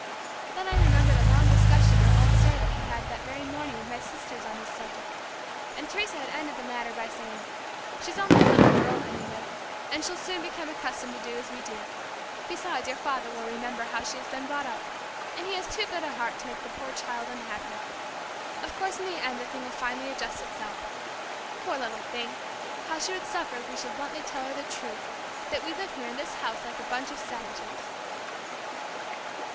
Then I remembered a long discussion our old servant had had that very morning with my sisters on this subject, and Teresa had ended the matter by saying, "She's only a little girl, anyway, and she'll soon become accustomed to do as we do. Besides your father will remember how she has been brought up, and he has too good a heart to make the poor child unhappy. Of course in the end the thing will finally adjust itself. Poor little thing! How she would suffer if we should bluntly tell her the truth that we live here in this house like a bunch of savages."